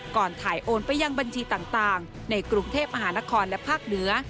ก่อนถ่ายโอนไปยังบัญชีต่างในกรุงเทพมหานครและภาคเหนือ